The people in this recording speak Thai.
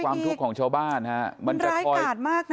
ความทุกข์ของชาวบ้านมันร้ายกาดมากนะ